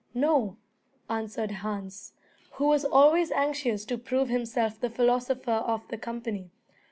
"No," answered Hans, who was always anxious to prove himself the philosopher of the company.